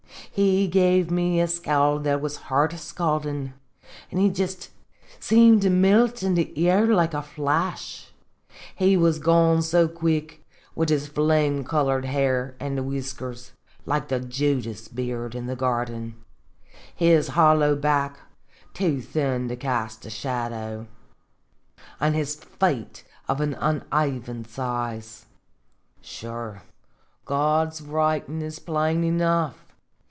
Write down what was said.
He gave me a scowl that was heart scaldin', and he seemed to jist melt into air like a flash, he was gone so quick wid his flame colored hair an' whiskers, like the Judas beard in the garden ; his hollow back, too thin to cast a shadow ; an' his feet of unaven size. Sure, God's writin' is plain enough